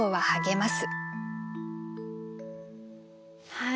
はい。